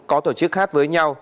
có tổ chức hát với nhau